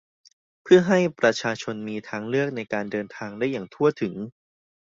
เพื่อให้ประชาชนมีทางเลือกในการเดินทางได้อย่างทั่วถึง